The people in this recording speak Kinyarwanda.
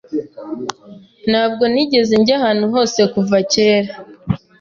Ntabwo nigeze njya ahantu hose kuva kera.